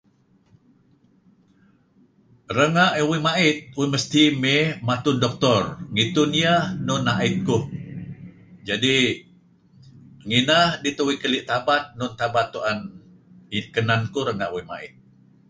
Renga' uih mait uih mesti may matun doctor ngitun iyeh nun ait kuh. Jadi' ngineh dih tuih keli' tabat nuk tabat tuen kenen kuh renga' uih mait.